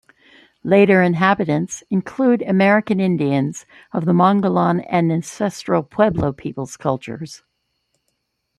Later inhabitants include American Indians of the Mogollon and Ancestral Pueblo peoples cultures.